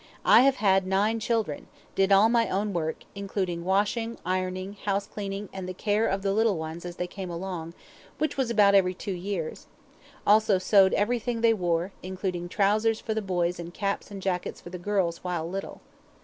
I have had nine children, did all my own work, including washing, ironing, house cleaning, and the care of the little ones as they came along, which was about every two years; also sewed everything they wore, including trousers for the boys and caps and jackets for the girls while little.